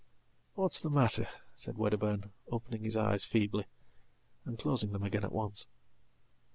"What's the matter?" said Wedderburn, opening his eyes feebly, and closingthem again at once."